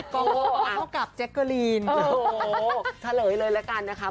ก็ออกกาปเจ็คกรีนเออเข้าเลยเลยละกันนะคะ